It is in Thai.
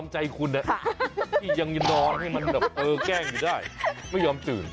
ใจคุณที่ยังนอนให้มันแบบเออแกล้งอยู่ได้ไม่ยอมตื่น